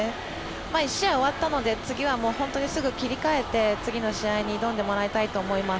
１試合、終わったので次はすぐに切り替えて次の試合に挑んでもらいたいと思います。